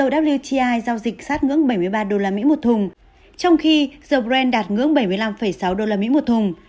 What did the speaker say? dầu wti giao dịch sát ngưỡng bảy mươi ba đô la mỹ một thùng trong khi dầu brent đạt ngưỡng bảy mươi năm sáu đô la mỹ một thùng